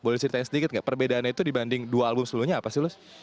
boleh ceritain sedikit perbedaannya itu dibanding dua album sebelumnya apa sih tulus